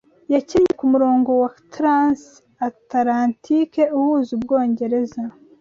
yakinnye ku murongo wa transi Atalantike uhuza Ubwongereza